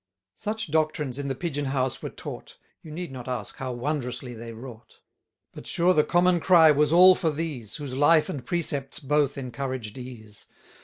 Such doctrines in the Pigeon house were taught: You need not ask how wondrously they wrought: But sure the common cry was all for these, Whose life and precepts both encouraged ease.